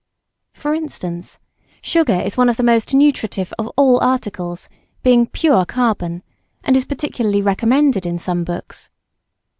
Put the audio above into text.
For instance, sugar is one of the most nutritive of all articles, being pure carbon, and is particularly recommended in some books.